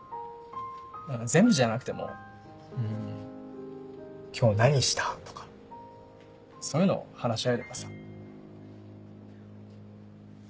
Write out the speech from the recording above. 全部じゃなくても今日何したとかそういうのを話し合えればさ。